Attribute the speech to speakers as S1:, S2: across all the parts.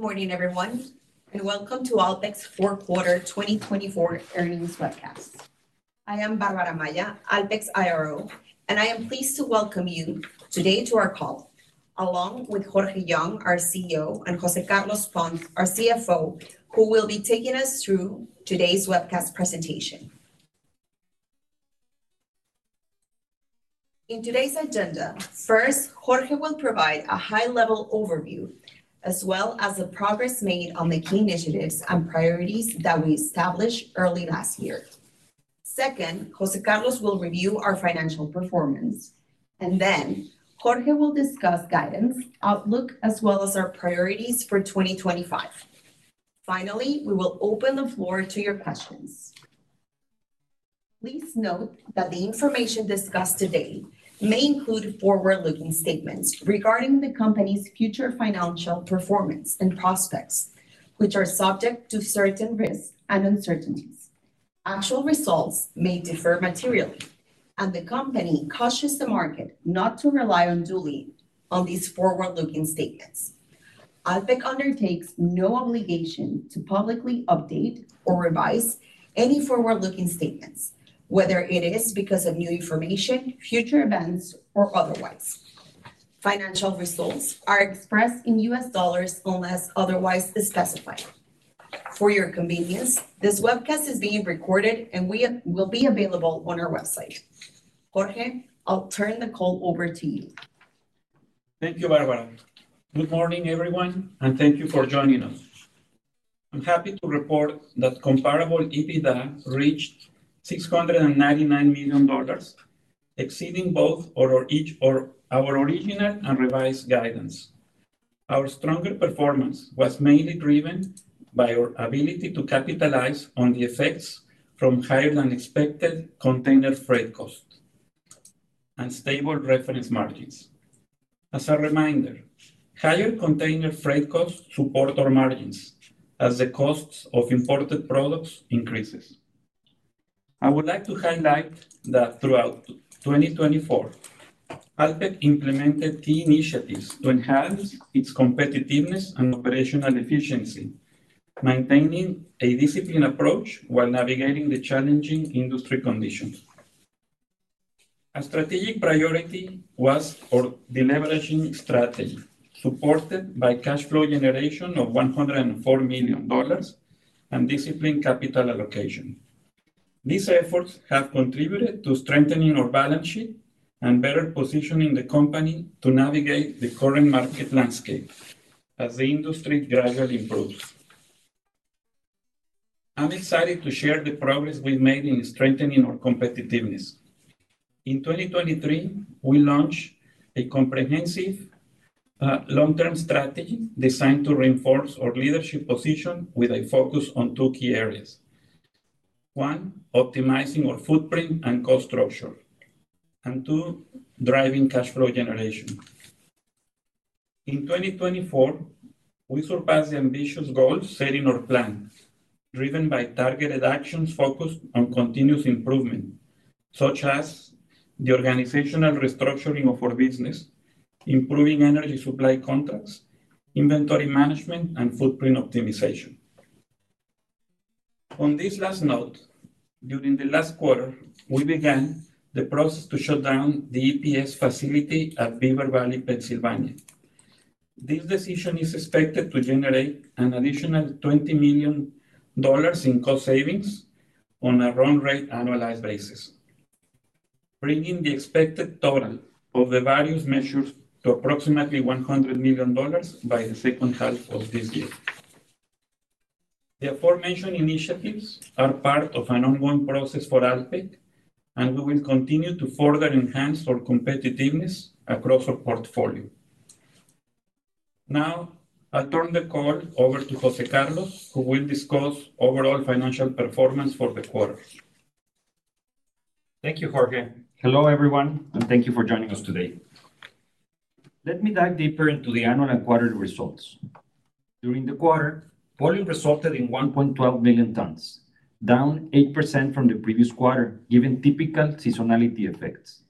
S1: Good morning, everyone, and welcome to ALPEK's Q4 2024 Earnings Webcast. I am Bárbara Amaya, ALPEK's IRO, and I am pleased to welcome you today to our call, along with Jorge Young, our CEO, and José Carlos Pons, our CFO, who will be taking us through today's webcast presentation. In today's agenda, first, Jorge will provide a high-level overview, as well as the progress made on the key initiatives and priorities that we established early last year. Second, José Carlos will review our financial performance. And then, Jorge will discuss guidance, outlook, as well as our priorities for 2025. Finally, we will open the floor to your questions. Please note that the information discussed today may include forward-looking statements regarding the company's future financial performance and prospects, which are subject to certain risks and uncertainties. Actual results may differ materially, and the company cautions the market not to rely unduly on these forward-looking statements. ALPEK undertakes no obligation to publicly update or revise any forward-looking statements, whether it is because of new information, future events, or otherwise. Financial results are expressed in U.S. dollars unless otherwise specified. For your convenience, this webcast is being recorded, and we will be available on our website. Jorge, I'll turn the call over to you.
S2: Thank you, Bárbara. Good morning, everyone, and thank you for joining us. I'm happy to report that comparable EBITDA reached $699 million, exceeding both our original and revised guidance. Our stronger performance was mainly driven by our ability to capitalize on the effects from higher-than-expected container freight costs and stable reference margins. As a reminder, higher container freight costs support our margins as the costs of imported products increase. I would like to highlight that throughout 2024, ALPEK implemented key initiatives to enhance its competitiveness and operational efficiency, maintaining a disciplined approach while navigating the challenging industry conditions. A strategic priority was the leveraging strategy, supported by cash flow generation of $104 million and disciplined capital allocation. These efforts have contributed to strengthening our balance sheet and better positioning the company to navigate the current market landscape as the industry gradually improves. I'm excited to share the progress we've made in strengthening our competitiveness. In 2023, we launched a comprehensive long-term strategy designed to reinforce our leadership position with a focus on two key areas: one, optimizing our footprint and cost structure, and two, driving cash flow generation. In 2024, we surpassed the ambitious goals set in our plan, driven by targeted actions focused on continuous improvement, such as the organizational restructuring of our business, improving energy supply contracts, inventory management, and footprint optimization. On this last note, during the last quarter, we began the process to shut down the EPS facility at Beaver Valley, Pennsylvania. This decision is expected to generate an additional $20 million in cost savings on a run rate annualized basis, bringing the expected total of the various measures to approximately $100 million by the second half of this year. The aforementioned initiatives are part of an ongoing process for ALPEK, and we will continue to further enhance our competitiveness across our portfolio. Now, I'll turn the call over to José Carlos, who will discuss overall financial performance for the quarter.
S3: Thank you, Jorge. Hello, everyone, and thank you for joining us today. Let me dive deeper into the annual and quarterly results. During the quarter, volume resulted in 1.12 million tons, down 8% from the previous quarter, given typical seasonality effects.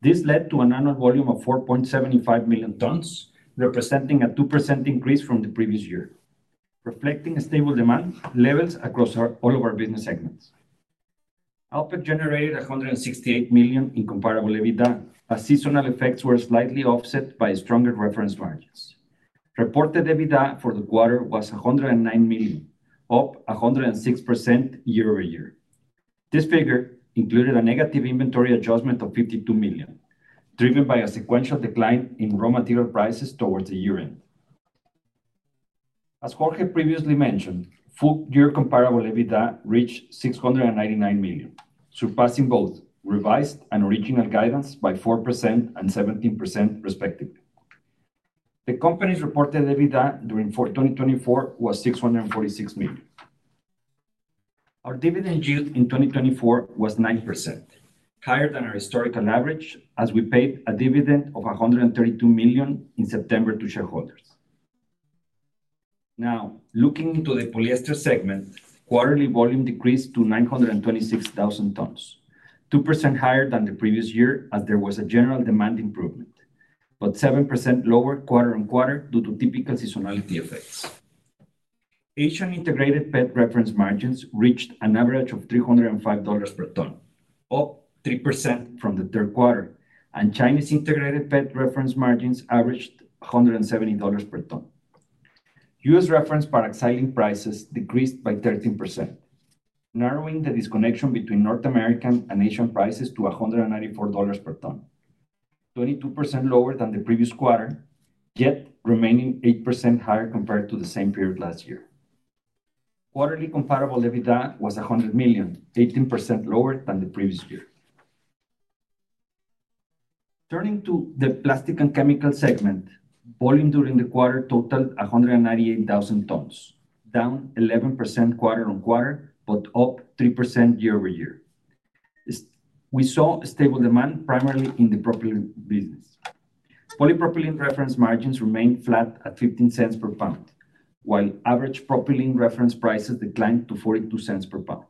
S3: This led to an annual volume of 4.75 million tons, representing a 2% increase from the previous year, reflecting stable demand levels across all of our business segments. ALPEK generated $168 million in comparable EBITDA, as seasonal effects were slightly offset by stronger reference margins. Reported EBITDA for the quarter was $109 million, up 106% year-over-year. This figure included a negative inventory adjustment of $52 million, driven by a sequential decline in raw material prices towards the year-end. As Jorge previously mentioned, full-year comparable EBITDA reached $699 million, surpassing both revised and original guidance by 4% and 17%, respectively. The company's reported EBITDA during 2024 was $646 million. Our dividend yield in 2024 was 9%, higher than our historical average, as we paid a dividend of $132 million in September to shareholders. Now, looking into the polyester segment, quarterly volume decreased to 926,000 tons, 2% higher than the previous year, as there was a general demand improvement, but 7% lower quarter-on-quarter due to typical seasonality effects. Asian integrated PET reference margins reached an average of $305 per ton, up 3% from the Q3, and Chinese integrated PET reference margins averaged $170 per ton. U.S. reference Paraxylene prices decreased by 13%, narrowing the disconnection between North American and Asian prices to $194 per ton, 22% lower than the previous quarter, yet remaining 8% higher compared to the same period last year. Quarterly comparable EBITDA was $100 million, 18% lower than the previous year. Turning to the plastics and chemicals segment, volume during the quarter totaled 198,000 tons, down 11% quarter-on-quarter, but up 3% year-over-year. We saw stable demand, primarily in the propylene business. Polypropylene reference margins remained flat at $0.15 per lbs, while average propylene reference prices declined to $0.42 per lbs,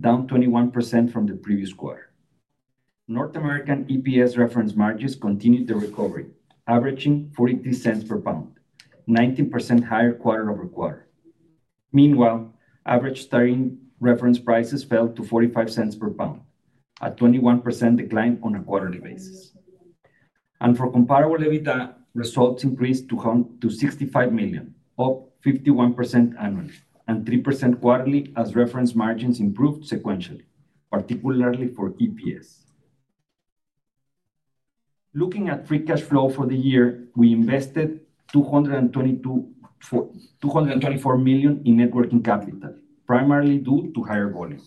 S3: down 21% from the previous quarter. North American EPS reference margins continued the recovery, averaging $0.43 per lbs, 19% higher quarter-over-quarter. Meanwhile, average styrene reference prices fell to $0.45 per lbs, a 21% decline on a quarterly basis. For comparable EBITDA, results increased to $65 million, up 51% annually, and 3% quarterly, as reference margins improved sequentially, particularly for EPS. Looking at free cash flow for the year, we invested $224 million in working capital, primarily due to higher volume.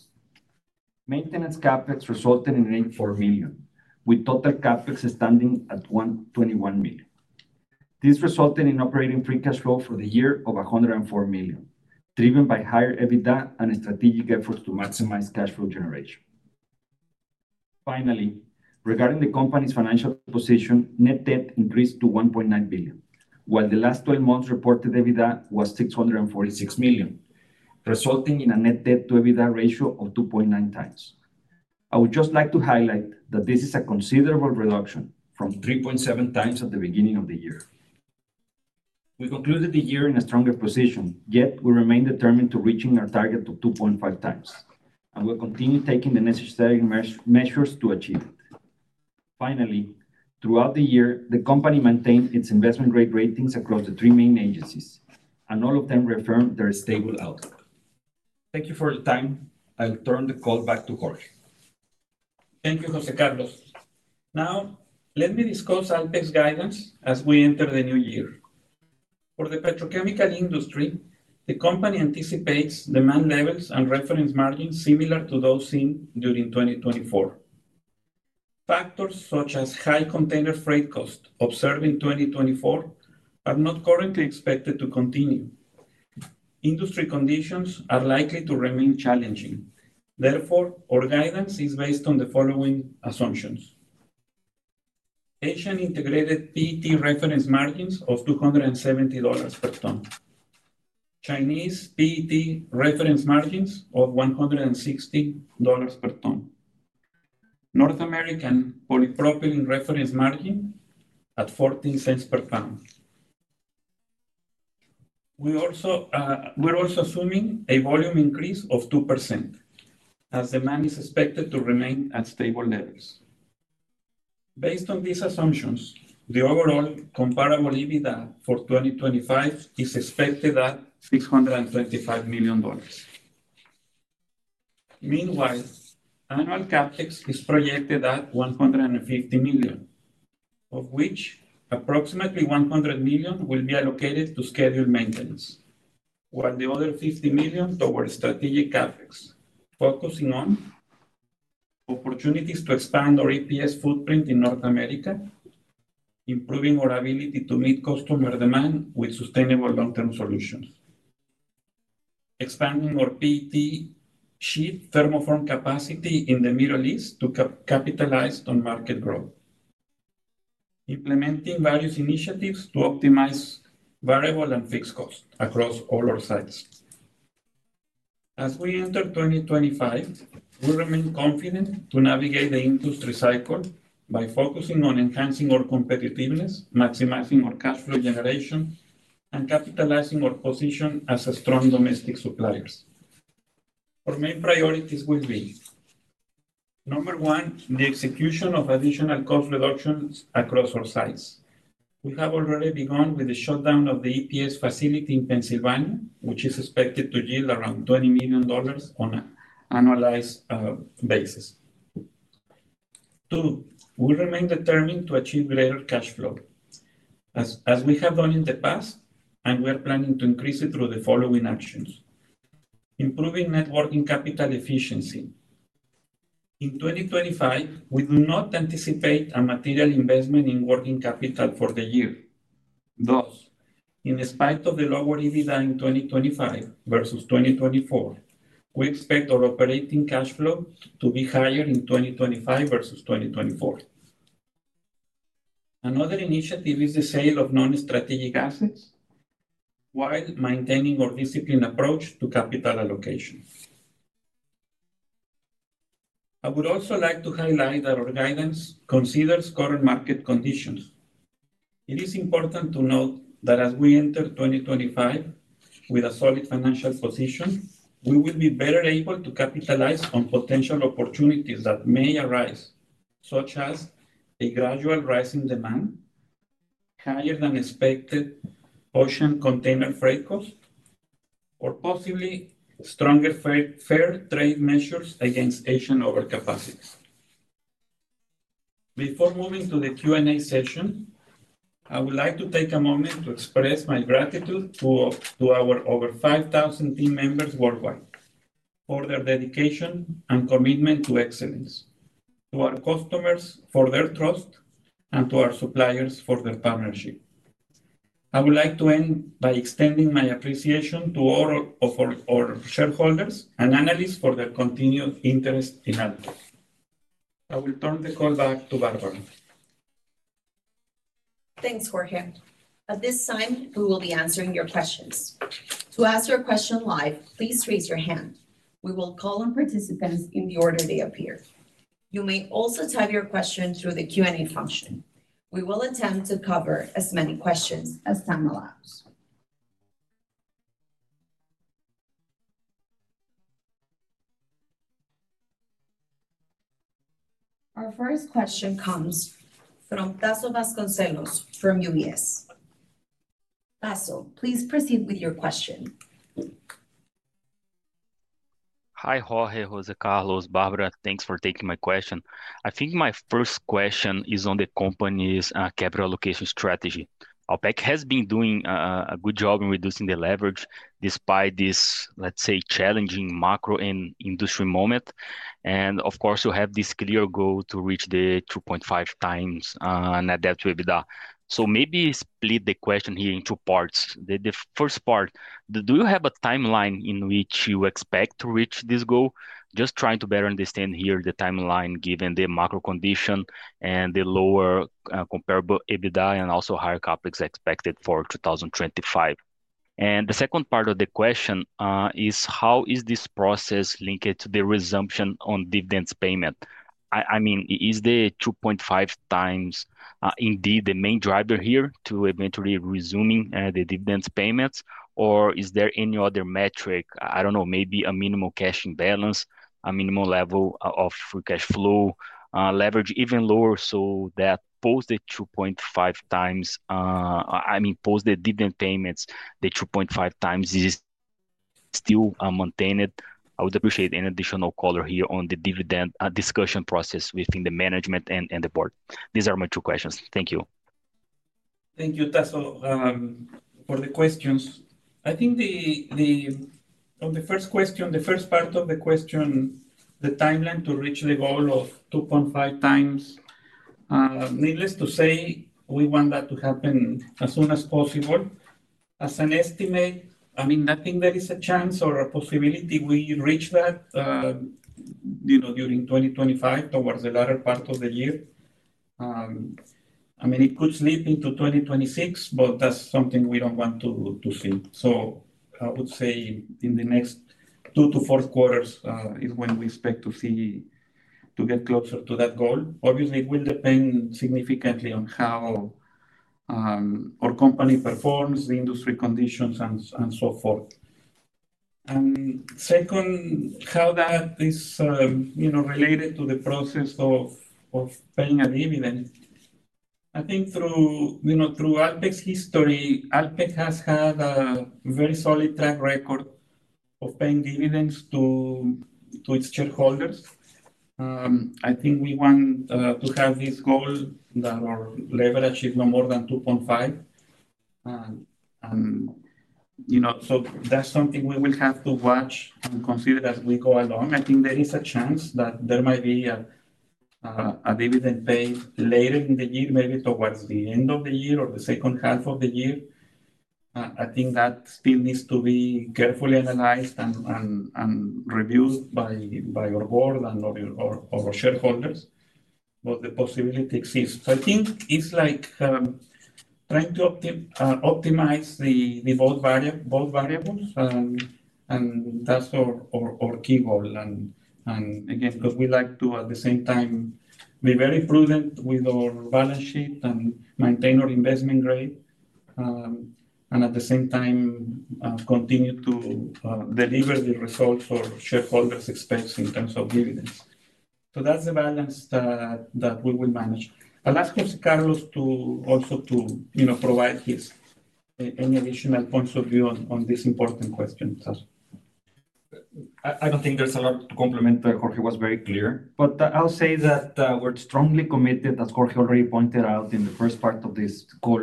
S3: Maintenance CapEx resulted in $184 million, with total CapEx standing at $121 million. This resulted in operating free cash flow for the year of $104 million, driven by higher EBITDA and strategic efforts to maximize cash flow generation. Finally, regarding the company's financial position, net debt increased to $1.9 billion, while the last 12 months' reported EBITDA was $646 million, resulting in a net debt-to-EBITDA ratio of 2.9x. I would just like to highlight that this is a considerable reduction from 3.7x at the beginning of the year. We concluded the year in a stronger position, yet we remain determined to reach our target of 2.5x, and we'll continue taking the necessary measures to achieve it. Finally, throughout the year, the company maintained its investment-grade ratings across the three main agencies, and all of them reaffirmed their stable outlook. Thank you for your time. I'll turn the call back to Jorge.
S2: Thank you, José Carlos.Now, let me discuss ALPEK's guidance as we enter the new year. For the petrochemical industry, the company anticipates demand levels and reference margins similar to those seen during 2024. Factors such as high container freight costs observed in 2024 are not currently expected to continue. Industry conditions are likely to remain challenging. Therefore, our guidance is based on the following assumptions: Asian integrated PET reference margins of $270 per ton, Chinese PET reference margins of $160 per ton, North American polypropylene reference margin at $0.14 per lbs. We're also assuming a volume increase of 2%, as demand is expected to remain at stable levels. Based on these assumptions, the overall Comparable EBITDA for 2025 is expected at $625 million. Meanwhile, annual CapEx is projected at $150 million, of which approximately $100 million will be allocated to scheduled maintenance, while the other $50 million towards strategic CapEx, focusing on opportunities to expand our EPS footprint in North America, improving our ability to meet customer demand with sustainable long-term solutions, expanding our PET sheet thermoform capacity in the Middle East to capitalize on market growth, implementing various initiatives to optimize variable and fixed costs across all our sites. As we enter 2025, we remain confident to navigate the industry cycle by focusing on enhancing our competitiveness, maximizing our cash flow generation, and capitalizing our position as strong domestic suppliers. Our main priorities will be, number one, the execution of additional cost reductions across our sites. We have already begun with the shutdown of the EPS facility in Pennsylvania, which is expected to yield around $20 million on an annualized basis. Two, we remain determined to achieve greater cash flow, as we have done in the past, and we are planning to increase it through the following actions: improving working capital efficiency. In 2025, we do not anticipate a material investment in working capital for the year. Thus, in spite of the lower EBITDA in 2025 versus 2024, we expect our operating cash flow to be higher in 2025 versus 2024. Another initiative is the sale of non-strategic assets, while maintaining our disciplined approach to capital allocation. I would also like to highlight that our guidance considers current market conditions. It is important to note that as we enter 2025 with a solid financial position, we will be better able to capitalize on potential opportunities that may arise, such as a gradual rise in demand, higher-than-expected ocean container freight costs, or possibly stronger fair-trade measures against Asian overcapacity. Before moving to the Q&A session, I would like to take a moment to express my gratitude to our over 5,000 team members worldwide for their dedication and commitment to excellence, to our customers for their trust, and to our suppliers for their partnership. I would like to end by extending my appreciation to all of our shareholders and analysts for their continued interest in ALPEK. I will turn the call back to Bárbara.
S1: Thanks, Jorge. At this time, we will be answering your questions. To ask your question live, please raise your hand. We will call on participants in the order they appear. You may also type your question through the Q&A function. We will attempt to cover as many questions as time allows. Our first question comes from Tasso Vasconcellos from UBS. Tasso, please proceed with your question.
S4: Hi, Jorge, José Carlos, Bárbara. Thanks for taking my question. I think my first question is on the company's capital allocation strategy. ALPEK has been doing a good job in reducing the leverage despite this, let's say, challenging macro and industry moment. And, of course, you have this clear goal to reach the 2.5x net debt to EBITDA. So maybe split the question here in two parts. The first part, do you have a timeline in which you expect to reach this goal? Just trying to better understand here the timeline given the macro condition and the lower comparable EBITDA and also higher CapEx expected for 2025. And the second part of the question is, how is this process linked to the resumption on dividends payment? I mean, is the 2.5x indeed the main driver here to eventually resuming the dividends payments, or is there any other metric? I don't know, maybe a minimal cash imbalance, a minimal level of free cash flow leverage, even lower so that post the 2.5x, I mean, post the dividend payments, the 2.5x is still maintained? I would appreciate any additional color here on the dividend discussion process within the management and the board. These are my two questions. Thank you.
S2: Thank you, Tasso, for the questions. I think on the first question, the first part of the question, the timeline to reach the goal of 2.5x, needless to say, we want that to happen as soon as possible. As an estimate, I mean, I think there is a chance or a possibility we reach that during 2025 towards the latter part of the year. I mean, it could slip into 2026, but that's something we don't want to see. So I would say in the next two to four quarters is when we expect to see to get closer to that goal. Obviously, it will depend significantly on how our company performs, the industry conditions, and so forth. And second, how that is related to the process of paying a dividend. I think through ALPEK's history, ALPEK has had a very solid track record of paying dividends to its shareholders. I think we want to have this goal that our leverage is no more than 2.5x. So that's something we will have to watch and consider as we go along. I think there is a chance that there might be a dividend pay later in the year, maybe towards the end of the year or the second half of the year. I think that still needs to be carefully analyzed and reviewed by our board and our shareholders, but the possibility exists. So I think it's like trying to optimize the both variables, and that's our key goal. Again, because we like to, at the same time, be very prudent with our balance sheet and maintain our investment-grade, and at the same time, continue to deliver the results our shareholders expect in terms of dividends. So that's the balance that we will manage. I'll ask José Carlos also to provide any additional points of view on this important question.
S3: I don't think there's a lot to comment. Jorge was very clear, but I'll say that we're strongly committed, as Jorge already pointed out in the first part of this call,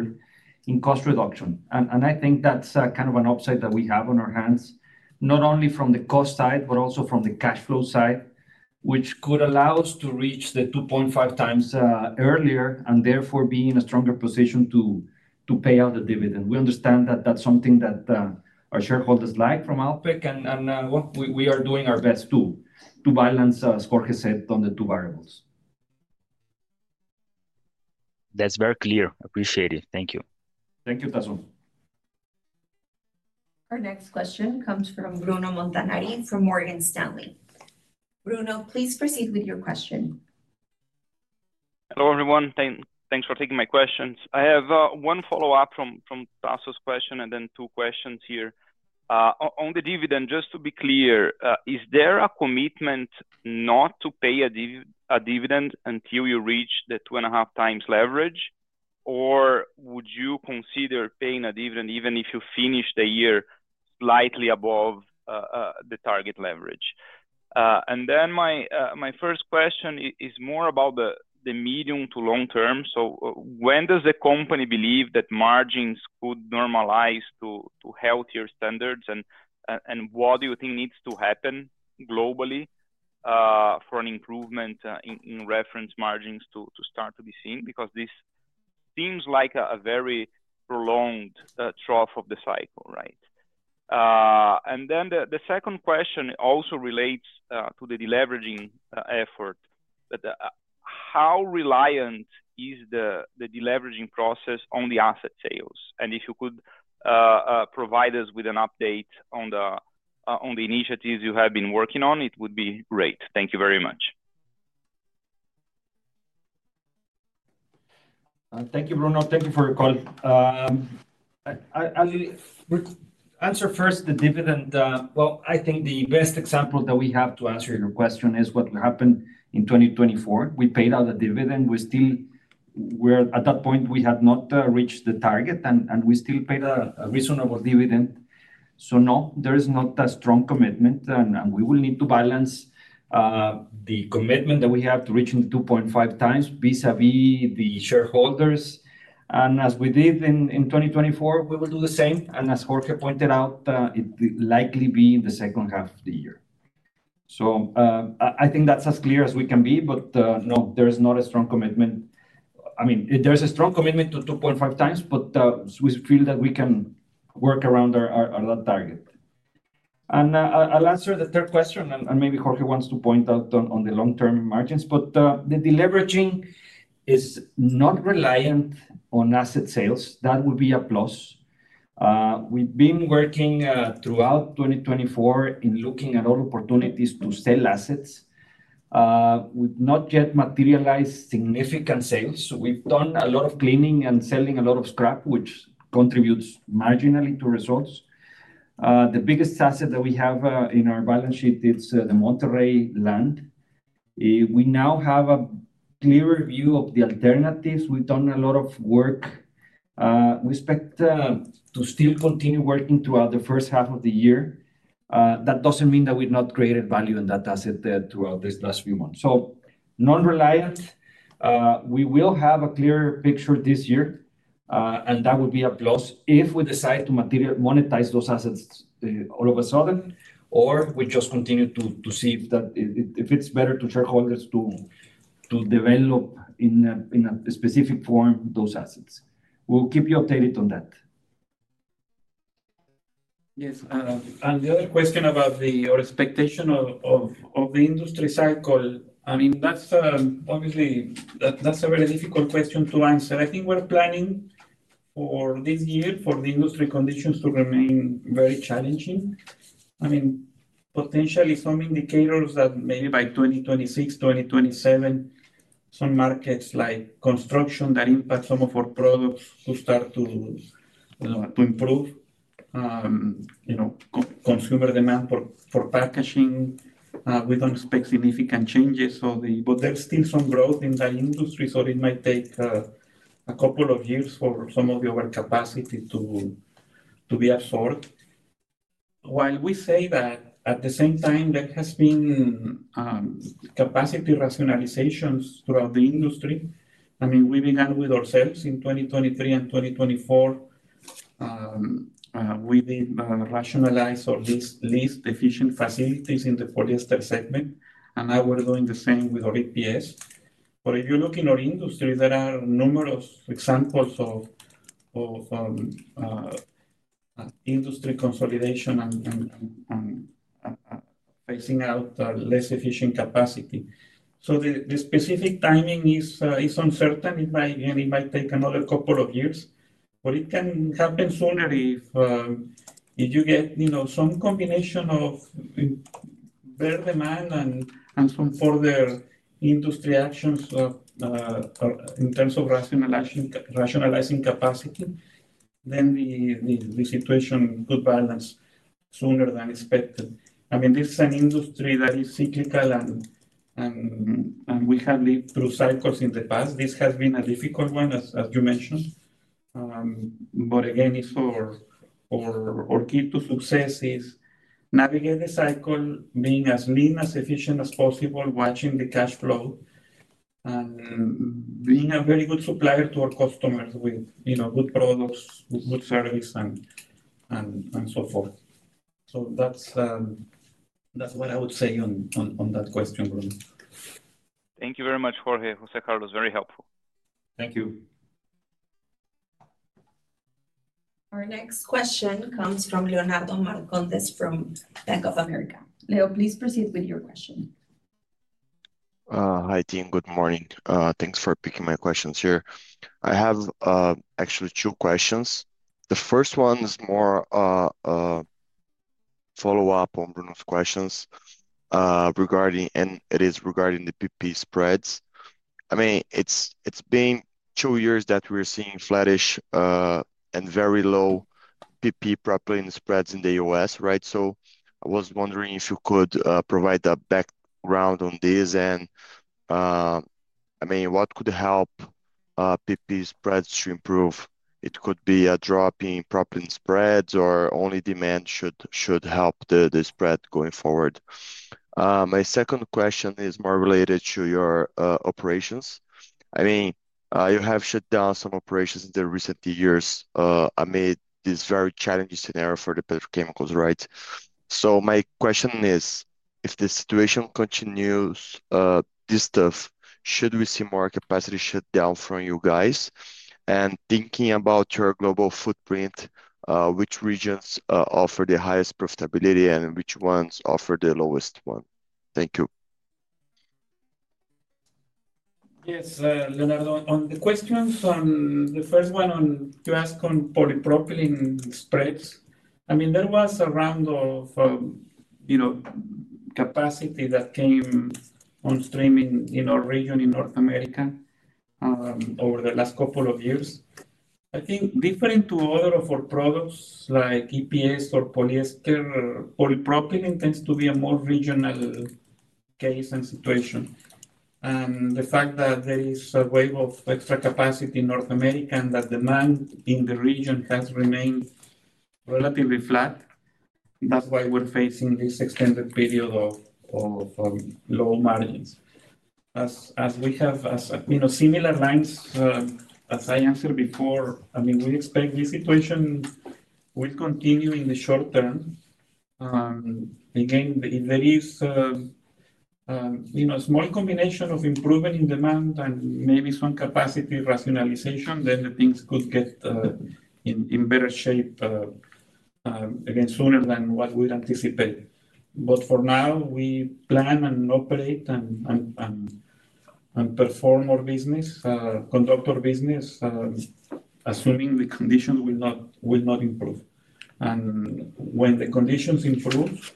S3: in cost reduction, and I think that's kind of an upside that we have on our hands, not only from the cost side, but also from the cash flow side, which could allow us to reach the 2.5x earlier and therefore be in a stronger position to pay out the dividend. We understand that that's something that our shareholders like from ALPEK, and we are doing our best to balance, as Jorge said, on the two variables.
S4: That's very clear. Appreciate it. Thank you.
S3: Thank you, Tasso.
S1: Our next question comes from Bruno Montanari from Morgan Stanley. Bruno, please proceed with your question.
S5: Hello, everyone. Thanks for taking my questions. I have one follow-up from Tasso's question, and then two questions here. On the dividend, just to be clear, is there a commitment not to pay a dividend until you reach the 2.5x leverage, or would you consider paying a dividend even if you finish the year slightly above the target leverage? And then my first question is more about the medium to long term. So when does the company believe that margins could normalize to healthier standards, and what do you think needs to happen globally for an improvement in reference margins to start to be seen? Because this seems like a very prolonged trough of the cycle, right? And then the second question also relates to the deleveraging effort. How reliant is the deleveraging process on the asset sales? And if you could provide us with an update on the initiatives you have been working on, it would be great. Thank you very much.
S3: Thank you, Bruno. Thank you for your call. I'll answer first the dividend. Well, I think the best example that we have to answer your question is what happened in 2024. We paid out a dividend. At that point, we had not reached the target, and we still paid a reasonable dividend, so no, there is not a strong commitment, and we will need to balance the commitment that we have to reaching the 2.5x vis-à-vis the shareholders. As we did in 2024, we will do the same, and as Jorge pointed out, it will likely be in the second half of the year. I think that's as clear as we can be, but no, there is not a strong commitment. I mean, there's a strong commitment to 2.5x, but we feel that we can work around that target. I'll answer the third question, and maybe Jorge wants to point out on the long-term margins. But the deleveraging is not reliant on asset sales. That would be a plus. We've been working throughout 2024 in looking at all opportunities to sell assets. We've not yet materialized significant sales. We've done a lot of cleaning and selling a lot of scrap, which contributes marginally to results. The biggest asset that we have in our balance sheet is the Monterrey land. We now have a clearer view of the alternatives. We've done a lot of work. We expect to still continue working throughout the first half of the year. That doesn't mean that we've not created value in that asset throughout these last few months. So non-reliant, we will have a clearer picture this year, and that would be a plus if we decide to monetize those assets all of a sudden, or we just continue to see if it's better to shareholders to develop in a specific form those assets. We'll keep you updated on that.
S2: Yes. And the other question about our expectation of the industry cycle, I mean, that's obviously a very difficult question to answer. I think we're planning for this year for the industry conditions to remain very challenging. I mean, potentially some indicators that maybe by 2026, 2027, some markets like construction that impact some of our products will start to improve. Consumer demand for packaging, we don't expect significant changes, but there's still some growth in that industry, so it might take a couple of years for some of the overcapacity to be absorbed. While we say that, at the same time, there has been capacity rationalizations throughout the industry. I mean, we began with ourselves in 2023 and 2024. We did rationalize our least efficient facilities in the polyester segment, and now we're doing the same with our EPS. But if you look in our industry, there are numerous examples of industry consolidation and phasing out less efficient capacity. So the specific timing is uncertain. It might take another couple of years, but it can happen sooner if you get some combination of better demand and some further industry actions in terms of rationalizing capacity, then the situation could balance sooner than expected. I mean, this is an industry that is cyclical, and we have lived through cycles in the past. This has been a difficult one, as you mentioned. But again, it's our key to success is navigate the cycle, being as lean, as efficient as possible, watching the cash flow, and being a very good supplier to our customers with good products, good service, and so forth. So that's what I would say on that question, Bruno.
S5: Thank you very much, Jorge, José Carlos. Very helpful.
S2: Thank you.
S1: Our next question comes from Leonardo Marcondes from Bank of America. Leo, please proceed with your question.
S6: Hi, team. Good morning. Thanks for picking my questions here. I have actually two questions. The first one is more a follow-up on Bruno's questions regarding, and it is regarding the PP spreads. I mean, it's been two years that we're seeing flattish and very low PP propylene spreads in the U.S., right? So I was wondering if you could provide a background on this, and I mean, what could help PP spreads to improve? It could be a drop in propylene spreads or only demand should help the spread going forward. My second question is more related to your operations. I mean, you have shut down some operations in the recent years amid this very challenging scenario for the petrochemicals, right? So my question is, if the situation continues this stuff, should we see more capacity shut down from you guys? Thinking about your global footprint, which regions offer the highest profitability and which ones offer the lowest one? Thank you.
S2: Yes, Leonardo, on the questions, the first one you asked on polypropylene spreads. I mean, there was a round of capacity that came on stream in our region in North America over the last couple of years. I think different to other of our products like EPS or polyester, polypropylene tends to be a more regional case and situation. And the fact that there is a wave of extra capacity in North America and that demand in the region has remained relatively flat, that's why we're facing this extended period of low margins. As we have similar lines, as I answered before, I mean, we expect this situation will continue in the short term. Again, if there is a small combination of improvement in demand and maybe some capacity rationalization, then the things could get in better shape, again, sooner than what we anticipate. But for now, we plan and operate and perform our business, conduct our business, assuming the conditions will not improve. And when the conditions improve,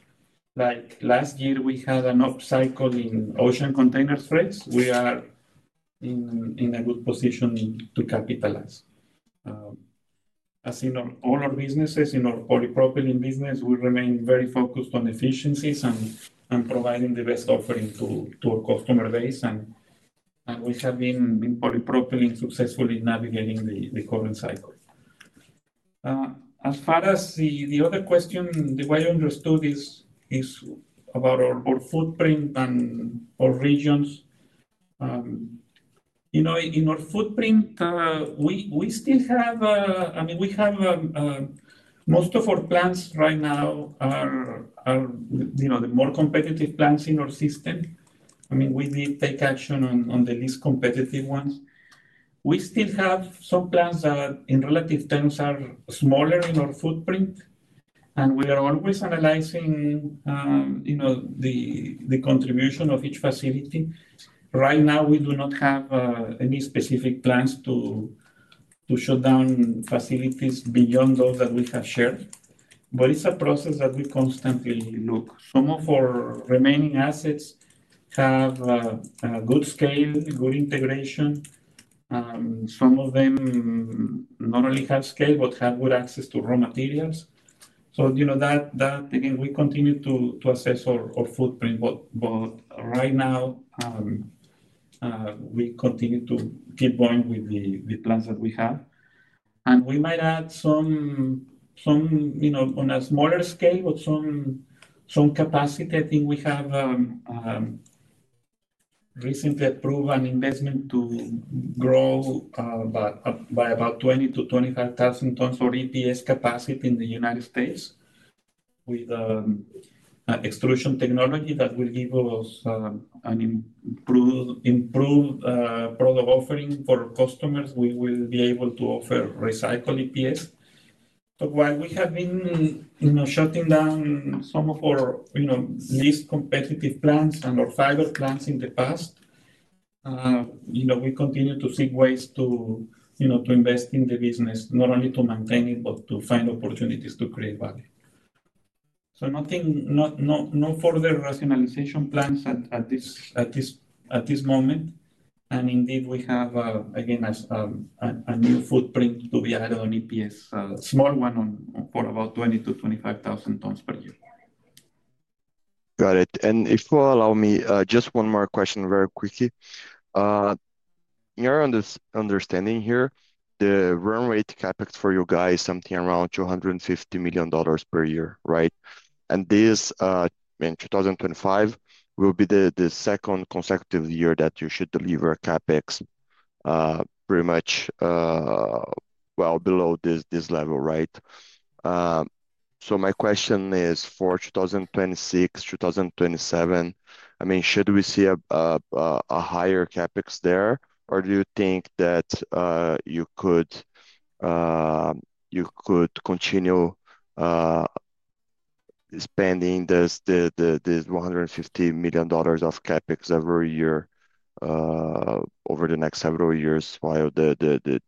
S2: like last year we had an upcycle in ocean container freights, we are in a good position to capitalize. As in all our businesses, in our polypropylene business, we remain very focused on efficiencies and providing the best offering to our customer base, and we have been polypropylene successfully navigating the current cycle. As far as the other question, the way I understood is about our footprint and our regions. In our footprint, we still have, I mean, we have most of our plants right now are the more competitive plants in our system. I mean, we did take action on the least competitive ones. We still have some plants that in relative terms are smaller in our footprint, and we are always analyzing the contribution of each facility. Right now, we do not have any specific plans to shut down facilities beyond those that we have shared, but it's a process that we constantly look. Some of our remaining assets have good scale, good integration. Some of them not only have scale, but have good access to raw materials. So that, again, we continue to assess our footprint, but right now, we continue to keep going with the plans that we have. And we might add some on a smaller scale, but some capacity. I think we have recently approved an investment to grow by about 20,000-25,000 tons of EPS capacity in the United States with extrusion technology that will give us an improved product offering for customers. We will be able to offer recycled EPS, so while we have been shutting down some of our least competitive plants and our fiber plants in the past, we continue to seek ways to invest in the business, not only to maintain it, but to find opportunities to create value, so no further rationalization plans at this moment, and indeed, we have, again, a new footprint to be added on EPS, a small one for about 20,000-25,000 tons per year.
S6: Got it, and if you allow me, just one more question very quickly. In your understanding here, the run rate CapEx for you guys is something around $250 million per year, right, and this in 2025 will be the second consecutive year that you should deliver CapEx pretty much well below this level, right, so my question is, for 2026, 2027, I mean, should we see a higher CapEx there, or do you think that you could continue spending this $150 million of CapEx every year over the next several years while the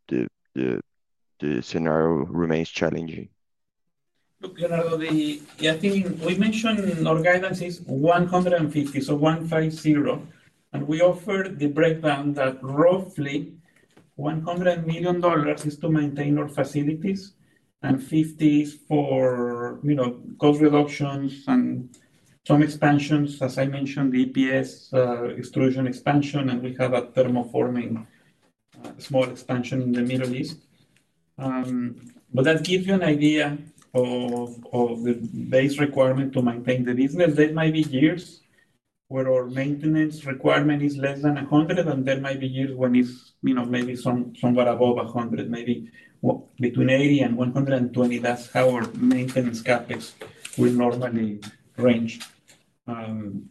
S6: scenario remains challenging?
S2: Look, Leonardo, I think we mentioned our guidance is $150, so $150. And we offer the breakdown that roughly $100 million is to maintain our facilities, and $50 is for cost reductions and some expansions, as I mentioned, the EPS extrusion expansion, and we have a thermoforming small expansion in the Middle East. But that gives you an idea of the base requirement to maintain the business. There might be years where our maintenance requirement is less than 100, and there might be years when it's maybe somewhere above $100, maybe between $80 and $120. That's how our maintenance CapEx will normally range. And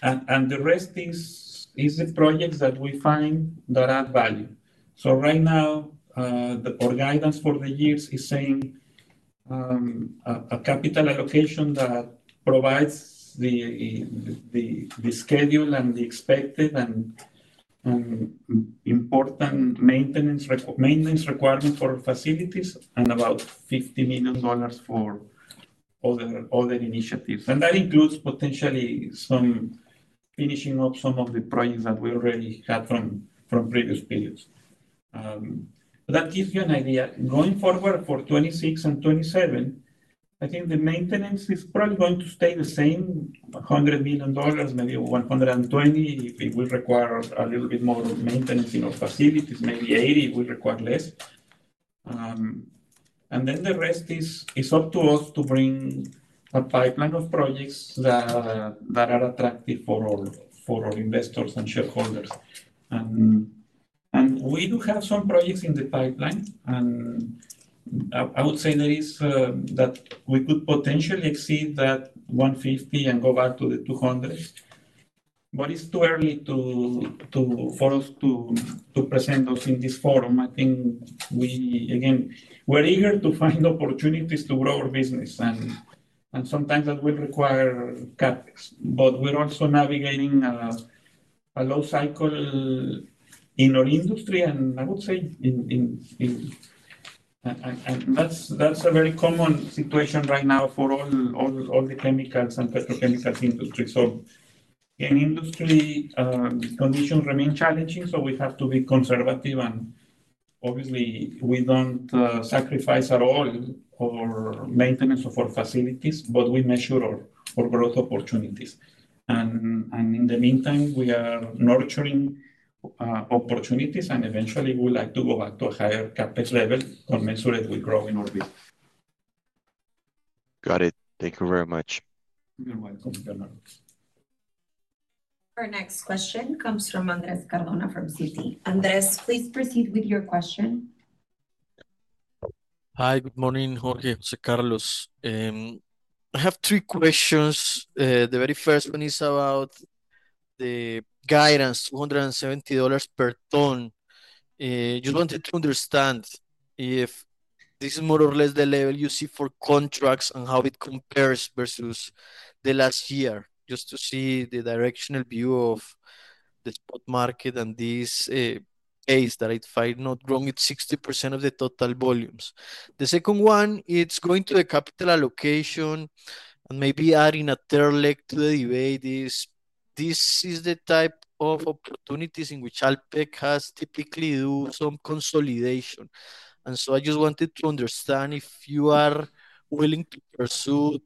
S2: the rest is the projects that we find that add value. So right now, our guidance for the years is saying a capital allocation that provides the schedule and the expected and important maintenance requirements for facilities and about $50 million for other initiatives. And that includes potentially finishing up some of the projects that we already had from previous periods. That gives you an idea. Going forward for 2026 and 2027, I think the maintenance is probably going to stay the same, $100 million, maybe $120 million if it will require a little bit more maintenance in our facilities, maybe $80 million if we require less. And then the rest is up to us to bring a pipeline of projects that are attractive for our investors and shareholders. And we do have some projects in the pipeline, and I would say that we could potentially exceed that $150 million and go back to the $200 million. But it's too early for us to present those in this forum. I think we, again, we're eager to find opportunities to grow our business, and sometimes that will require CapEx. We're also navigating a low cycle in our industry, and I would say that's a very common situation right now for all the chemicals and petrochemicals industry. Industry conditions remain challenging, so we have to be conservative, and obviously, we don't sacrifice at all our maintenance of our facilities, but we measure our growth opportunities. In the meantime, we are nurturing opportunities, and eventually, we would like to go back to a higher CapEx level or measure it with growing our business.
S6: Got it. Thank you very much.
S2: You're welcome, Leonardo.
S1: Our next question comes from Andrés Cardona from Citi. Andrés, please proceed with your question.
S7: Hi, good morning, Jorge, José Carlos. I have three questions. The very first one is about the guidance, $270 per ton. I just wanted to understand if this is more or less the level you see for contracts and how it compares versus the last year, just to see the directional view of the spot market and this case that it might not grow with 60% of the total volumes. The second one, it's going to the capital allocation and maybe adding a third leg to the debate. This is the type of opportunities in which ALPEK has typically do some consolidation. And so I just wanted to understand if you are willing to pursue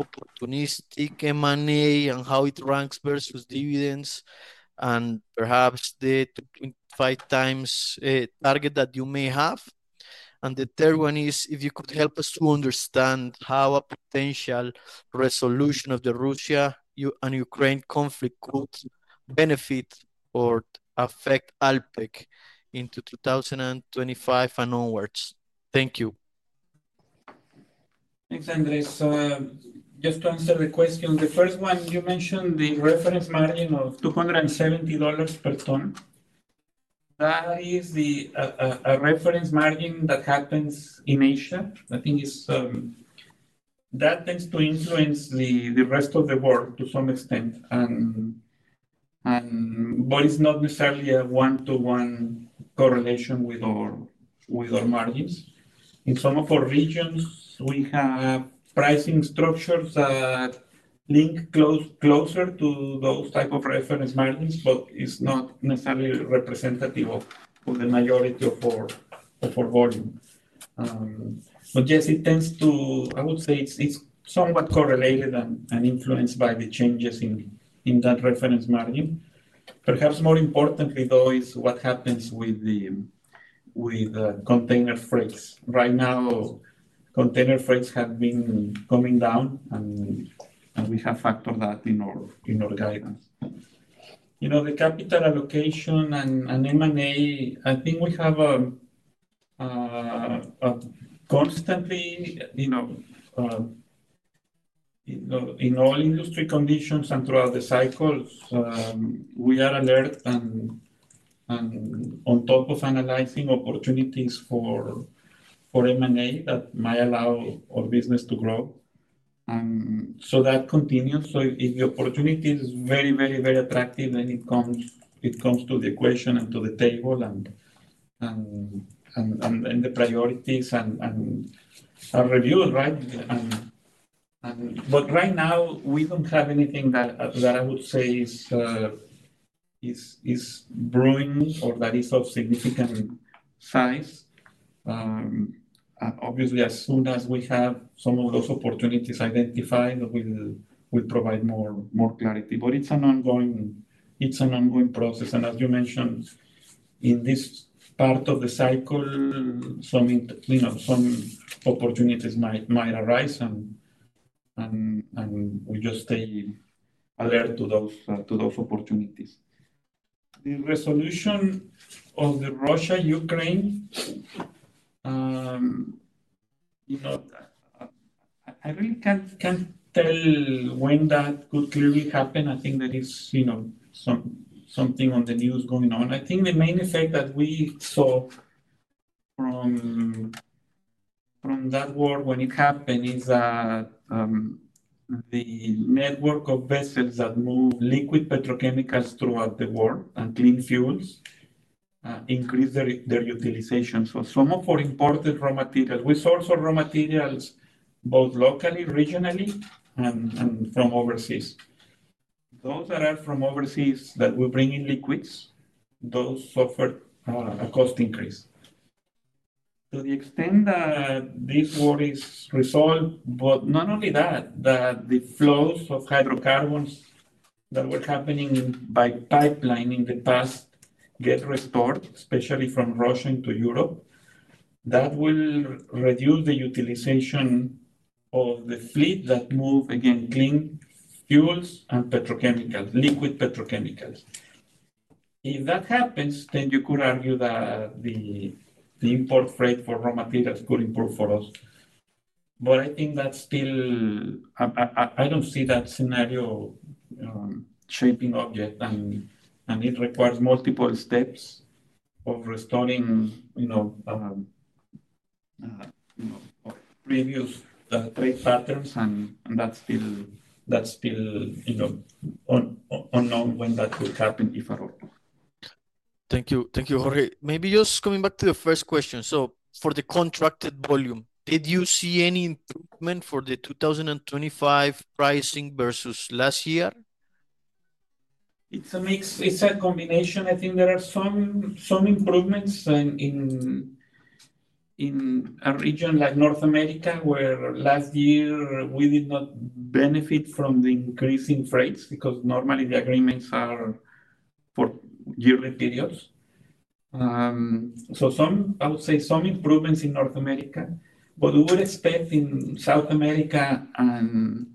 S7: opportunistic M&A and how it ranks versus dividends and perhaps the 2.5x target that you may have. And the third one is, if you could help us to understand how a potential resolution of the Russia and Ukraine conflict could benefit or affect ALPEK into 2025 and onwards. Thank you.
S2: Thanks, Andrés. So just to answer the question, the first one, you mentioned the reference margin of $270 per ton. That is a reference margin that happens in Asia. I think that tends to influence the rest of the world to some extent, but it's not necessarily a one-to-one correlation with our margins. In some of our regions, we have pricing structures that link closer to those types of reference margins, but it's not necessarily representative of the majority of our volume. But yes, it tends to, I would say it's somewhat correlated and influenced by the changes in that reference margin. Perhaps more importantly, though, is what happens with the container freights. Right now, container freights have been coming down, and we have factored that in our guidance. The capital allocation and M&A, I think we have constantly, in all industry conditions and throughout the cycles, we are alert and on top of analyzing opportunities for M&A that might allow our business to grow. And so that continues. So if the opportunity is very, very, very attractive, then it comes to the equation and to the table and the priorities and reviews, right? But right now, we don't have anything that I would say is brewing or that is of significant size. Obviously, as soon as we have some of those opportunities identified, we'll provide more clarity. But it's an ongoing process. And as you mentioned, in this part of the cycle, some opportunities might arise, and we just stay alert to those opportunities. The resolution of the Russia-Ukraine, I really can't tell when that could clearly happen. I think there is something on the news going on.I think the main effect that we saw from that war when it happened is that the network of vessels that move liquid petrochemicals throughout the world and clean fuels increased their utilization. So some of our imported raw materials, we source our raw materials both locally, regionally, and from overseas. Those that are from overseas that we bring in liquids, those suffer a cost increase. To the extent that this war is resolved, but not only that, that the flows of hydrocarbons that were happening by pipeline in the past get restored, especially from Russia into Europe, that will reduce the utilization of the fleet that move, again, clean fuels and petrochemicals, liquid petrochemicals. If that happens, then you could argue that the import rate for raw materials could improve for us. But I think that's still. I don't see that scenario shaping up, and it requires multiple steps of restoring previous trade patterns, and that's still unknown when that will happen, if at all.
S7: Thank you. Thank you, Jorge. Maybe just coming back to the first question. So for the contracted volume, did you see any improvement for the 2025 pricing versus last year?
S2: It's a mixed combination. I think there are some improvements in a region like North America where last year we did not benefit from the increasing rates because normally the agreements are for yearly periods, so I would say some improvements in North America, but we would expect in South America and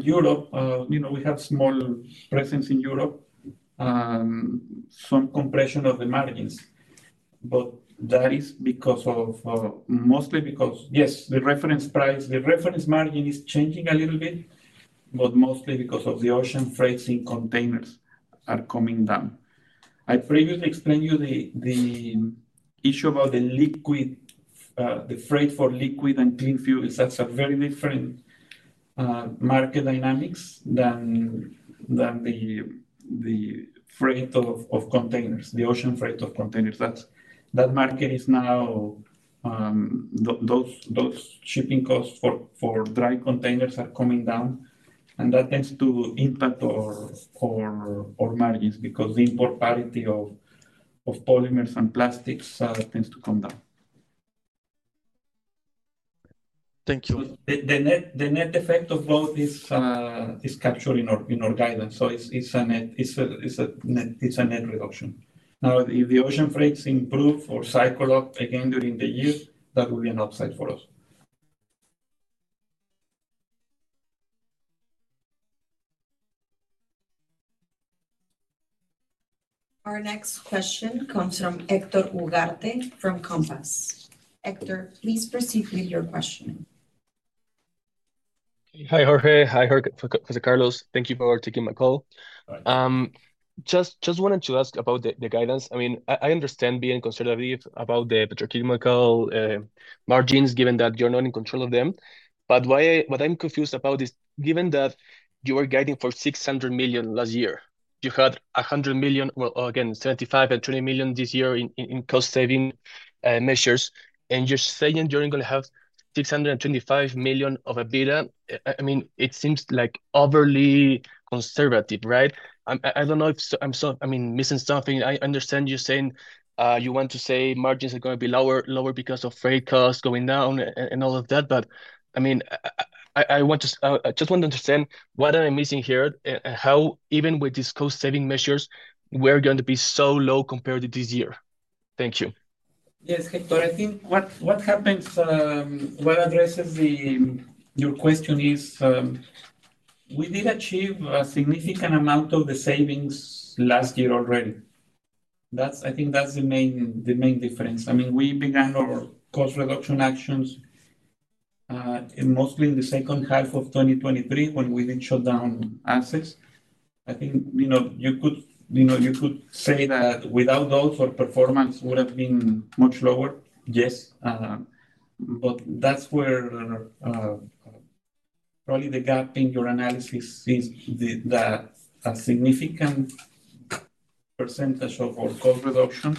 S2: Europe, we have small presence in Europe, some compression of the margins, but that is mostly because, yes, the reference price, the reference margin is changing a little bit, but mostly because of the ocean freights in containers are coming down. I previously explained to you the issue about the freight for liquid and clean fuels. That's a very different market dynamic than the freight of containers, the ocean freight of containers. That market is now, those shipping costs for dry containers are coming down, and that tends to impact our margins because the import parity of polymers and plastics tends to come down.
S7: Thank you.
S2: The net effect of both is captured in our guidance. So it's a net reduction. Now, if the ocean freights improve or cycle up again during the year, that would be an upside for us.
S1: Our next question comes from Héctor Ugarte from Compass. Héctor, please proceed with your question.
S8: Hi, Jorge. Hi, José Carlos. Thank you for taking my call. Just wanted to ask about the guidance. I mean, I understand being conservative about the petrochemical margins given that you're not in control of them. But what I'm confused about is given that you were guiding for $600 million last year, you had $100 million, well, again, $75 million and $20 million this year in cost-saving measures, and you're saying you're going to have $625 million of EBITDA. I mean, it seems like overly conservative, right? I don't know if I'm missing something. I understand you're saying you want to say margins are going to be lower because of freight costs going down and all of that. But I mean, I just want to understand what am I missing here and how, even with these cost-saving measures, we're going to be so low compared to this year. Thank you.
S2: Yes, Héctor. I think what happens well addresses your question is we did achieve a significant amount of the savings last year already. I think that's the main difference. I mean, we began our cost-reduction actions mostly in the second half of 2023 when we did shut down assets. I think you could say that without those, our performance would have been much lower. Yes. But that's where probably the gap in your analysis is that a significant percentage of our cost reduction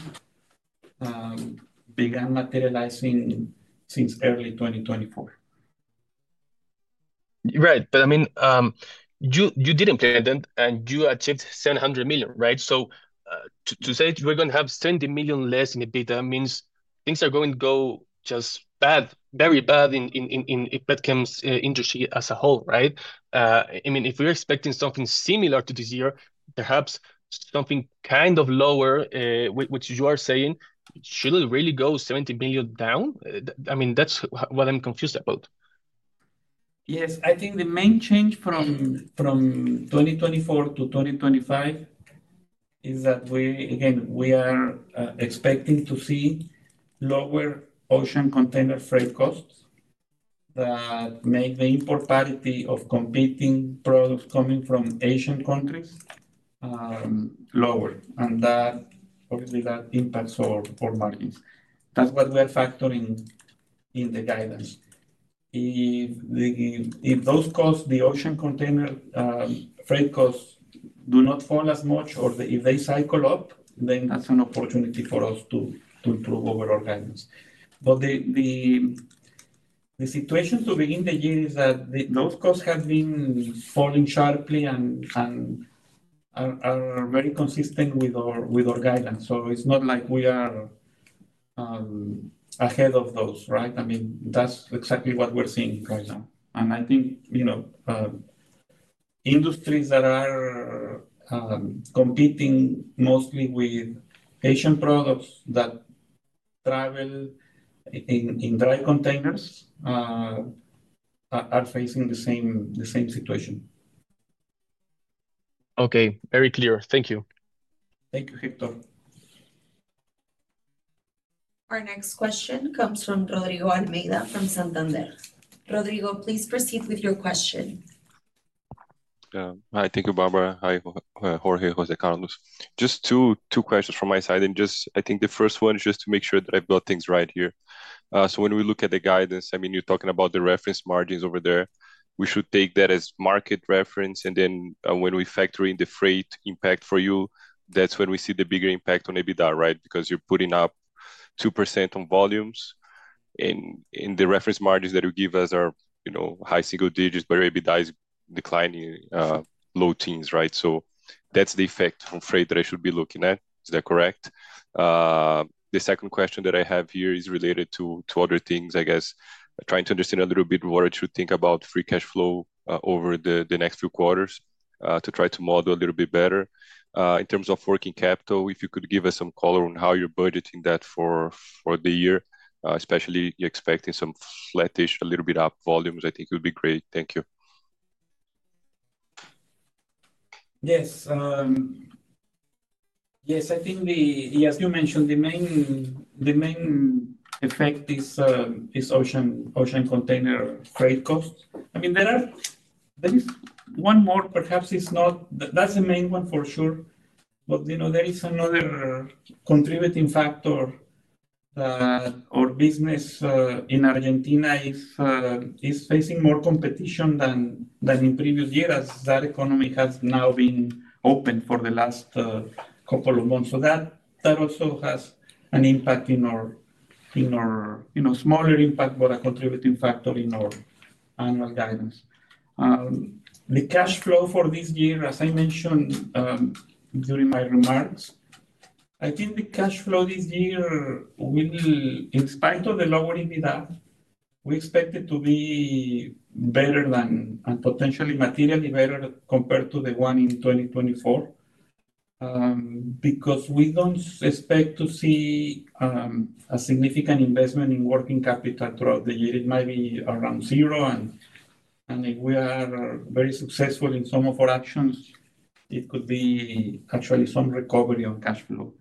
S2: began materializing since early 2024.
S8: Right. But I mean, you did implement it, and you achieved $700 million, right? So to say we're going to have $70 million less in EBITDA, that means things are going to go just bad, very bad in the petrochemical industry as a whole, right? I mean, if we're expecting something similar to this year, perhaps something kind of lower, which you are saying, should it really go $70 million down? I mean, that's what I'm confused about.
S2: Yes. I think the main change from 2024 to 2025 is that, again, we are expecting to see lower ocean container freight costs that make the import parity of competing products coming from Asian countries lower. And obviously, that impacts our margins. That's what we are factoring in the guidance. If those costs, the ocean container freight costs do not fall as much, or if they cycle up, then that's an opportunity for us to improve overall guidance. But the situation to begin the year is that those costs have been falling sharply and are very consistent with our guidance. So it's not like we are ahead of those, right? I mean, that's exactly what we're seeing right now. And I think industries that are competing mostly with Asian products that travel in dry containers are facing the same situation.
S8: Okay. Very clear. Thank you.
S2: Thank you, Héctor.
S1: Our next question comes from Rodrigo Almeida from Santander. Rodrigo, please proceed with your question.
S9: Hi. Thank you, Bárbara. Hi, Jorge, José Carlos. Just two questions from my side, and I think the first one is just to make sure that I've got things right here. So when we look at the guidance, I mean, you're talking about the reference margins over there. We should take that as market reference. And then when we factor in the freight impact for you, that's when we see the bigger impact on EBITDA, right? Because you're putting up 2% on volumes, and the reference margins that you give us are high single digits, but your EBITDA is declining low teens, right? So that's the effect from freight that I should be looking at. Is that correct? The second question that I have here is related to other things, I guess, trying to understand a little bit what I should think about free cash flow over the next few quarters to try to model a little bit better. In terms of working capital, if you could give us some color on how you're budgeting that for the year, especially expecting some flattish, a little bit up volumes, I think it would be great. Thank you.
S2: Yes. I think you mentioned the main effect is ocean container freight costs. I mean, there is one more. Perhaps it's not that that's the main one for sure. But there is another contributing factor that our business in Argentina is facing more competition than in previous years as that economy has now been open for the last couple of months. So that also has an impact, a smaller impact, but a contributing factor in our annual guidance. The cash flow for this year, as I mentioned during my remarks, I think the cash flow this year, in spite of the lower EBITDA, we expect it to be better and potentially materially better compared to the one in 2024 because we don't expect to see a significant investment in working capital throughout the year. It might be around zero. And if we are very successful in some of our actions, it could be actually some recovery on cash flow.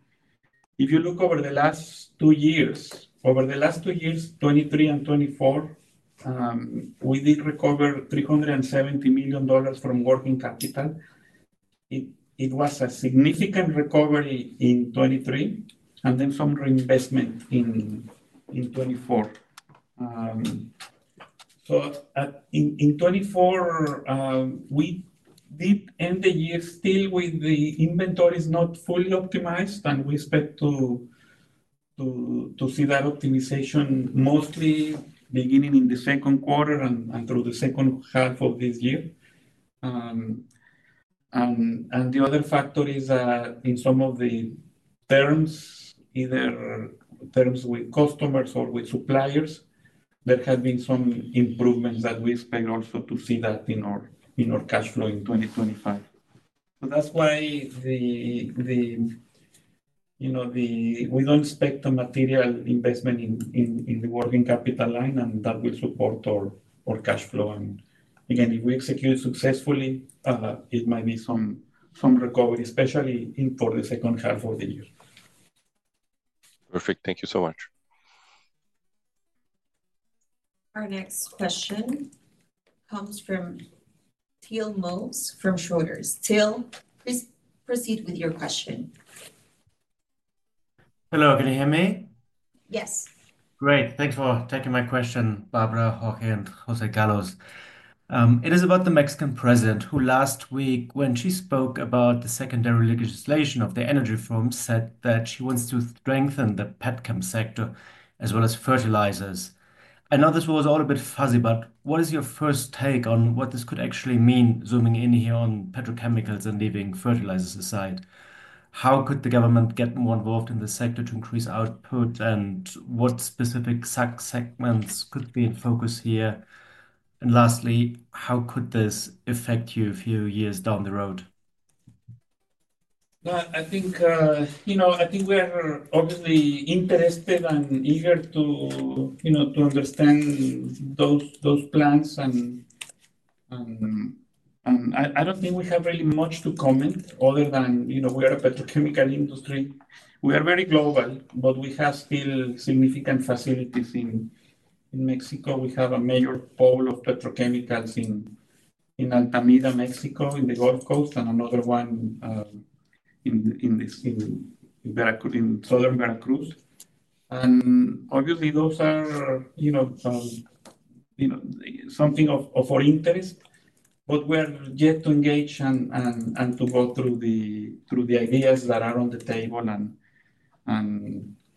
S2: If you look over the last two years, over the last two years, 2023 and 2024, we did recover $370 million from working capital. It was a significant recovery in 2023 and then some reinvestment in 2024. So in 2024, we did end the year still with the inventories not fully optimized, and we expect to see that optimization mostly beginning in the Q2 and through the second half of this year. And the other factor is that in some of the terms, either terms with customers or with suppliers, there have been some improvements that we expect also to see that in our cash flow in 2025. So that's why we don't expect a material investment in the working capital line, and that will support our cash flow. And again, if we execute successfully, it might be some recovery, especially for the second half of the year.
S9: Perfect. Thank you so much.
S1: Our next question comes from Till Moewes from Schroders. Till, please proceed with your question.
S10: Hello. Can you hear me?
S1: Yes.
S10: Great. Thanks for taking my question, Bárbara, Jorge, and José Carlos. It is about the Mexican president who last week, when she spoke about the secondary legislation of the energy reform, said that she wants to strengthen the petrochemical sector as well as fertilizers. I know this was all a bit fuzzy, but what is your first take on what this could actually mean, zooming in here on petrochemicals and leaving fertilizers aside? How could the government get more involved in the sector to increase output, and what specific segments could be in focus here? And lastly, how could this affect you a few years down the road?
S2: I think we are obviously interested and eager to understand those plans. I don't think we have really much to comment other than we are a petrochemical industry. We are very global, but we have still significant facilities in Mexico. We have a major pole of petrochemicals in Altamira, Mexico, in the Gulf Coast, and another one in southern Veracruz. Obviously, those are something of our interest, but we're yet to engage and to go through the ideas that are on the table.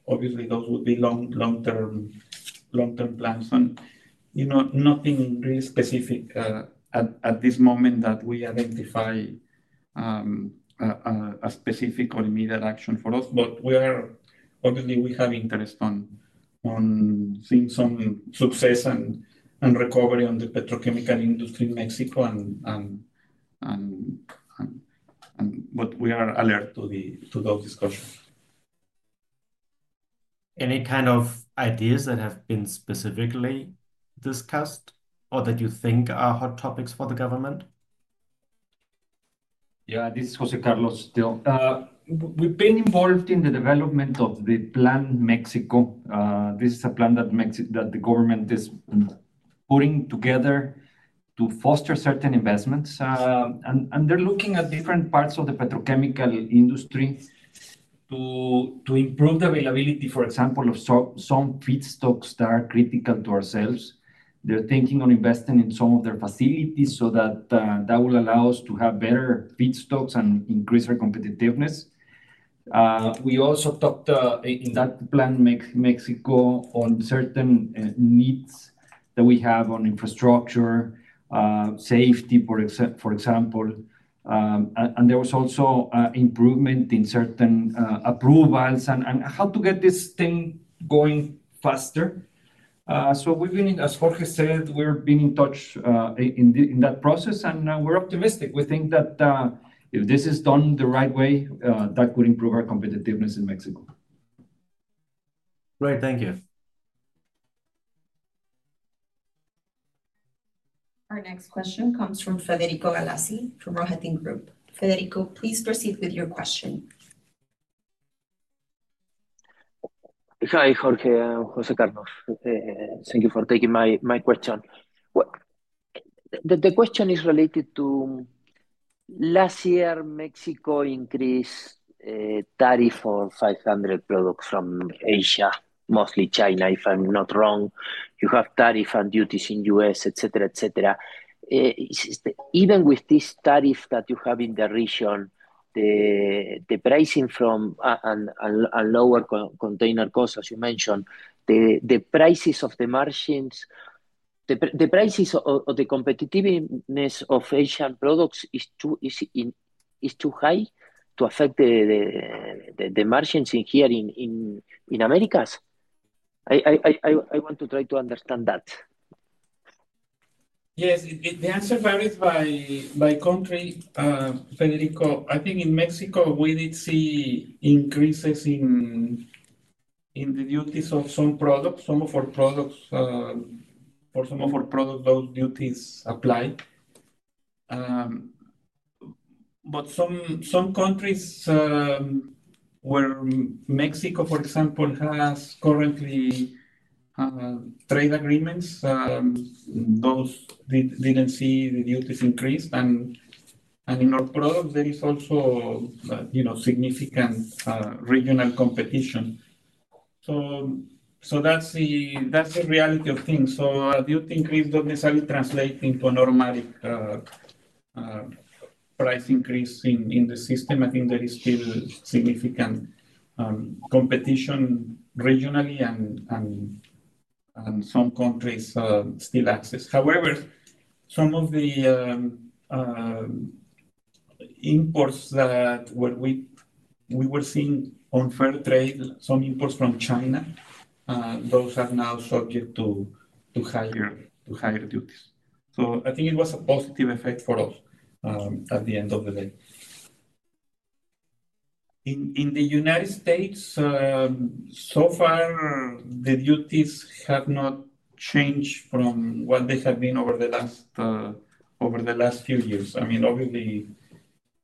S2: Obviously, those would be long-term plans. Nothing really specific at this moment that we identify a specific or immediate action for us. Obviously, we have interest in seeing some success and recovery on the petrochemical industry in Mexico, but we are alert to those discussions.
S10: Any kind of ideas that have been specifically discussed or that you think are hot topics for the government?
S3: Yeah, this is José Carlos still. We've been involved in the development of the plan Mexico. This is a plan that the government is putting together to foster certain investments. And they're looking at different parts of the petrochemical industry to improve the availability, for example, of some feedstocks that are critical to ourselves. They're thinking of investing in some of their facilities so that will allow us to have better feedstocks and increase our competitiveness. We also talked in that plan Mexico on certain needs that we have on infrastructure, safety, for example. And there was also improvement in certain approvals and how to get this thing going faster. So we've been, as Jorge said, we've been in touch in that process. And we're optimistic. We think that if this is done the right way, that could improve our competitiveness in Mexico.
S10: Great. Thank you.
S1: Our next question comes from Federico Galassi from The Rohatyn Group. Federico, please proceed with your question.
S11: Hi, Jorge. José Carlos. Thank you for taking my question. The question is related to last year. Mexico increased tariffs for 500 products from Asia, mostly China, if I'm not wrong. You have tariffs and duties in the U.S., etc., etc. Even with this tariff that you have in the region, the pricing and lower container costs, as you mentioned, the prices of the margins, the prices or the competitiveness of Asian products is too high to affect the margins here in the Americas. I want to try to understand that.
S2: Yes. The answer varies by country. Federico, I think in Mexico, we did see increases in the duties of some products. Some of our products, for some of our products, those duties apply, but some countries, where Mexico, for example, has currently trade agreements, those didn't see the duties increased, and in our products, there is also significant regional competition, so that's the reality of things, so a duty increase doesn't necessarily translate into an automatic price increase in the system. I think there is still significant competition regionally and some countries still access. However, some of the imports that we were seeing on fair trade, some imports from China, those are now subject to higher duties, so I think it was a positive effect for us at the end of the day. In the United States, so far, the duties have not changed from what they have been over the last few years. I mean, obviously,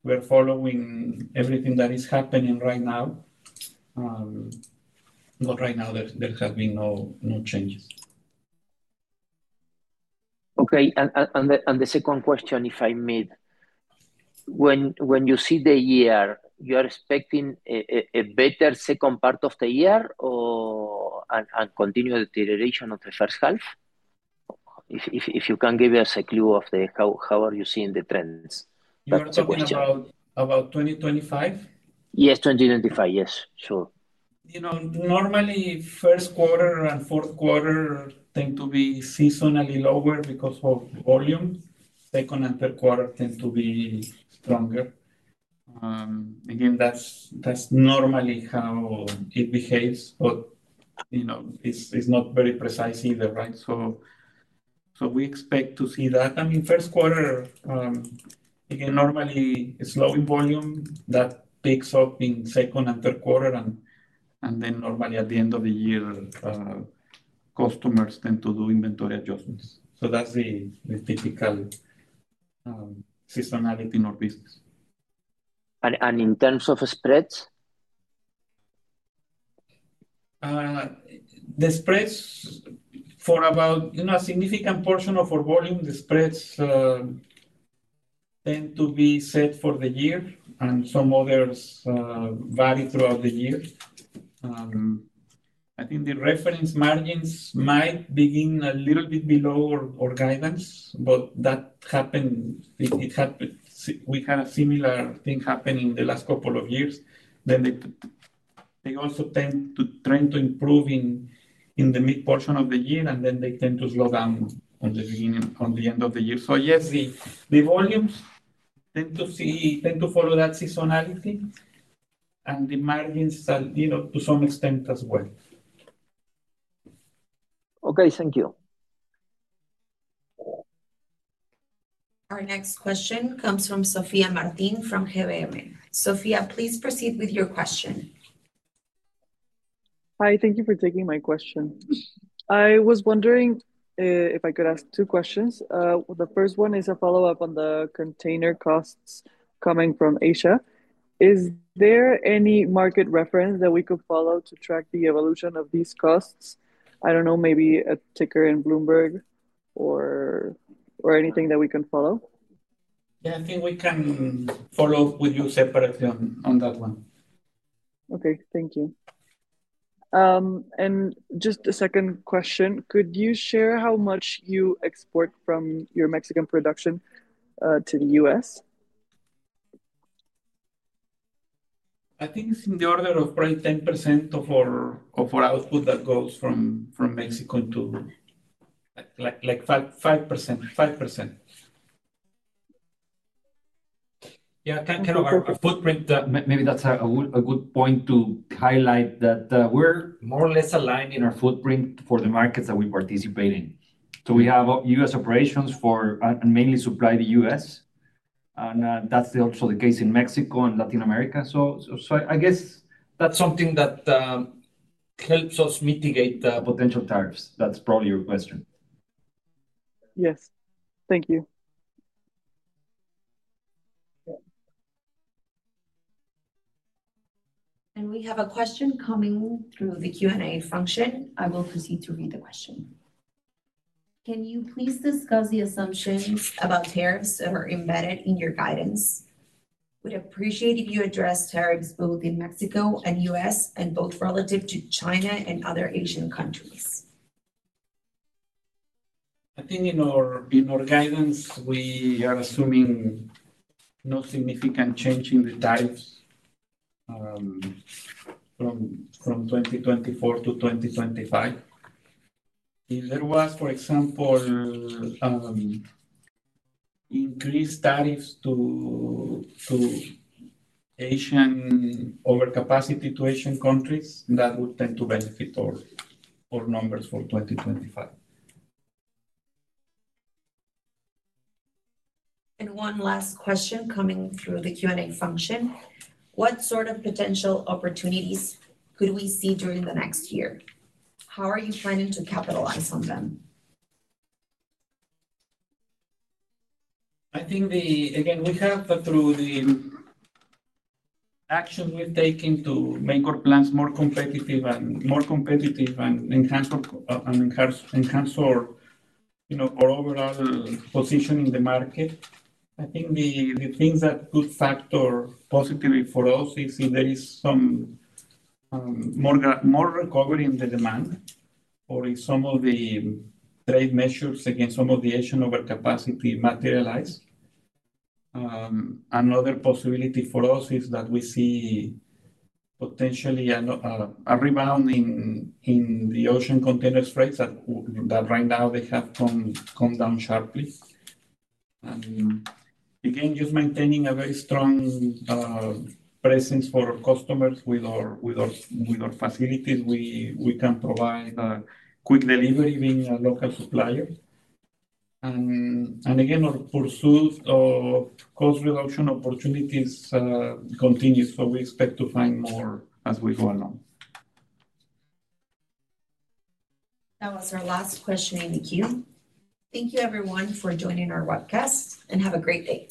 S2: we're following everything that is happening right now. But right now, there have been no changes.
S11: Okay, and the second question, if I may, when you see the year, you are expecting a better second part of the year and continue the deterioration of the first half? If you can give us a clue of how are you seeing the trends?
S2: You're talking about 2025?
S11: Yes, 2025. Yes. Sure.
S2: Normally, Q1 and Q4 tend to be seasonally lower because of volume. Q2 and Q3 tend to be stronger. Again, that's normally how it behaves, but it's not very precise either, right? So we expect to see that. I mean, Q1, again, normally slowing volume, that picks up in Q2 and Q3, and then normally at the end of the year, customers tend to do inventory adjustments. So that's the typical seasonality in our business.
S11: In terms of spreads?
S2: The spreads for about a significant portion of our volume, the spreads tend to be set for the year, and some others vary throughout the year. I think the reference margins might begin a little bit below our guidance, but that happened. We had a similar thing happen in the last couple of years. Then they also tend to trend to improve in the mid portion of the year, and then they tend to slow down on the end of the year. So yes, the volumes tend to follow that seasonality and the margins to some extent as well.
S11: Okay. Thank you.
S1: Our next question comes from Sofia Martin from GBM. Sofia, please proceed with your question.
S12: Hi. Thank you for taking my question. I was wondering if I could ask two questions. The first one is a follow-up on the container costs coming from Asia. Is there any market reference that we could follow to track the evolution of these costs? I don't know, maybe a ticker in Bloomberg or anything that we can follow.
S2: Yeah. I think we can follow up with you separately on that one.
S12: Okay. Thank you. And just a second question. Could you share how much you export from your Mexican production to the U.S.?
S2: I think it's in the order of probably 10% of our output that goes from Mexico to 5%.
S3: Yeah. Kind of our footprint, maybe that's a good point to highlight that we're more or less aligned in our footprint for the markets that we participate in. So we have U.S. operations and mainly supply the U.S. And that's also the case in Mexico and Latin America. So I guess that's something that helps us mitigate potential tariffs. That's probably your question.
S12: Yes. Thank you.
S1: We have a question coming through the Q&A function. I will proceed to read the question. Can you please discuss the assumptions about tariffs that are embedded in your guidance? We'd appreciate if you addressed tariffs both in Mexico and U.S. and both relative to China and other Asian countries.
S2: I think in our guidance, we are assuming no significant change in the tariffs from 2024 to 2025. If there was, for example, increased tariffs to Asian overcapacity to Asian countries, that would tend to benefit our numbers for 2025.
S1: One last question coming through the Q&A function. What sort of potential opportunities could we see during the next year? How are you planning to capitalize on them?
S2: I think, again, we have, through the actions we've taken to make our plants more competitive and enhance our overall position in the market. I think the things that could factor positively for us is if there is some more recovery in demand or if some of the trade measures against some of the Asian overcapacity materialize. Another possibility for us is that we see potentially a rebound in the ocean container rates that right now they have come down sharply, and again, just maintaining a very strong presence for our customers with our facilities, we can provide quick delivery being a local supplier, and again, our pursuit of cost reduction opportunities continues, so we expect to find more as we go along.
S1: That was our last question in the queue. Thank you, everyone, for joining our webcast, and have a great day.